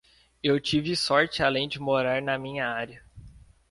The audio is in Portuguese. Eu tive sorte além de morar na minha área.